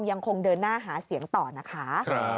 ยังคงเดินหน้าหาเสียงต่อนะคะ